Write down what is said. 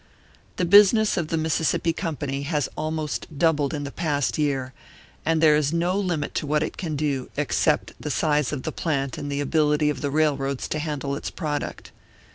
The business of the Mississippi Company has almost doubled in the past year, and there is no limit to what it can do, except the size of the plant and the ability of the railroads to handle its product.